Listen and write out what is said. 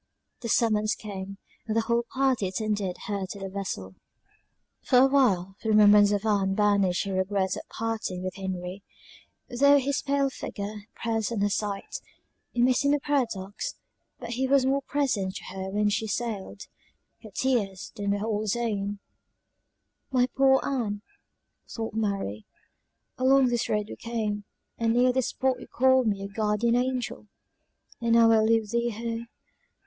The summons came, and the whole party attended her to the vessel. For a while the remembrance of Ann banished her regret at parting with Henry, though his pale figure pressed on her sight; it may seem a paradox, but he was more present to her when she sailed; her tears then were all his own. "My poor Ann!" thought Mary, "along this road we came, and near this spot you called me your guardian angel and now I leave thee here!